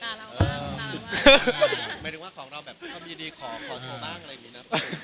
หมายถึงว่าของเราแบบมีความยินดีขอโชว์บ้างอะไรอย่างนี้นะ